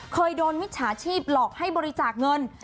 เคยโดนมิจฉาชีพหลอกให้บริจาคเงิน